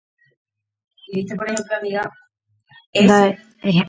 Ndaje mayma yvyra ha mymba oĩhaguéicha oguereko ijarýi.